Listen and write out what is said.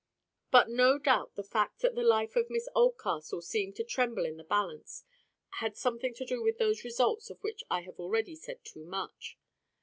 But no doubt the fact that the life of Miss Oldcastle seemed to tremble in the balance, had something to do with those results of which I may have already said too much.